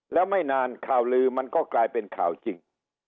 แล้วไม่นานข่าวลือมันก็กลายเป็นข่าวจริง